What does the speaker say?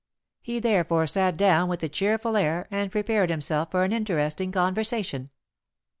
He therefore sat down with a cheerful air, and prepared himself for an interesting conversation.